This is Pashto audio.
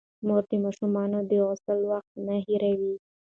مور د ماشومانو د غسل وخت نه هېروي.